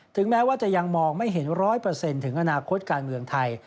แม้ว่าจะยังมองไม่เห็น๑๐๐ถึงอนาคตการเมืองไทย